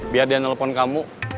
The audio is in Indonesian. biar dia nelfon kamu